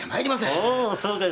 おおそうかい！